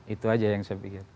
itu aja yang saya pikir